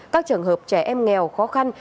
các trường hợp trẻ em nghèo khó khăn